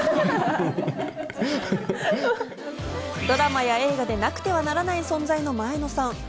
ドラマや映画になくてはならない存在の前野さん。